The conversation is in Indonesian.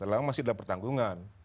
setelah itu masih tidak bertanggung jawab